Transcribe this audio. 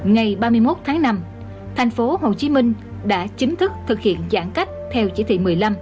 ngày ba mươi một tháng năm thành phố hồ chí minh đã chính thức thực hiện giãn cách theo chỉ thị một mươi năm